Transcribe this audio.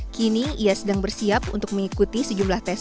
kini ia sedang bersiap untuk mengikuti sejumlah tes